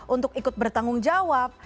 untuk ikut bertanggung jawab